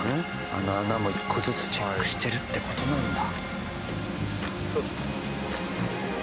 あの穴も１個ずつチェックしてるって事なんだ。